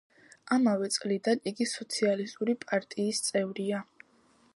ამავე წლიდან იგი სოციალისტური პარტიის წევრია.